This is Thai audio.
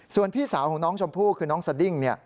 ส่วนพี่สาวของน้องชมพู่คือน้องสดิ้ง